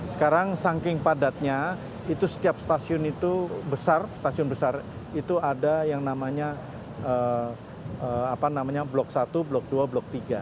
sekarang saking padatnya itu setiap stasiun itu besar stasiun besar itu ada yang namanya blok satu blok dua blok tiga